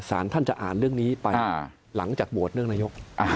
สารท่านจะอ่านเรื่องนี้ไปหลังจากโหวตเรื่องนายก